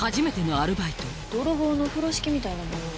泥棒の風呂敷みたいな模様は？